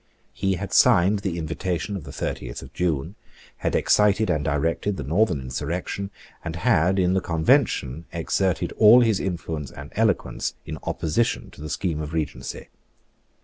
He had signed the invitation of the thirtieth of June, had excited and directed the northern insurrection, and had, in the Convention, exerted all his influence and eloquence in opposition to the scheme of Regency.